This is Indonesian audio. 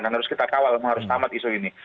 harus kita kawal harus tamat isu ini